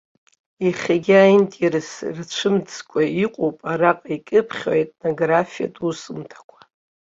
Иахьагьы аинтерес рыцәмыӡкәа иҟоуп араҟа икьыԥхьу иетнографиатә усумҭақәа.